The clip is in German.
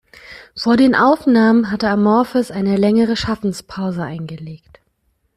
Vor den Aufnahmen hatte Amorphis eine längere Schaffenspause eingelegt.